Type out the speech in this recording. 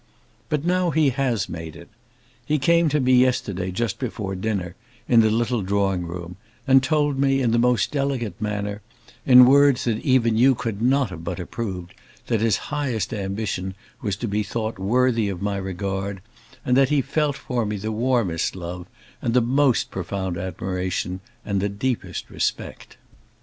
But now he has made it. He came to me yesterday just before dinner, in the little drawing room, and told me, in the most delicate manner, in words that even you could not have but approved, that his highest ambition was to be thought worthy of my regard, and that he felt for me the warmest love, and the most profound admiration, and the deepest respect.